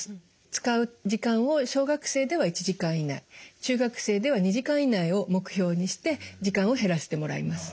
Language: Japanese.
使う時間を小学生では１時間以内中学生では２時間以内を目標にして時間を減らしてもらいます。